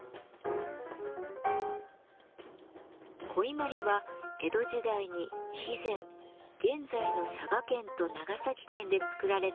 古伊万里は江戸時代に肥前現在の佐賀県と長崎県で作られた磁器のこと。